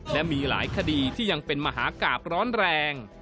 และมีหลายคดีที่ยังเป็นมหากราบร้อนแรง